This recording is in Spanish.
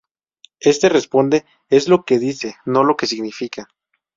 Éste responde "es lo que dice, no lo que significa".